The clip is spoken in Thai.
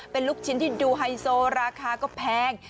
เป็นลูกชิ้นที่ดูไฮโซราคาก็แพง